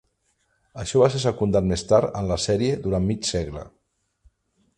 Això va ser secundat més tard en la sèrie durant mig segle.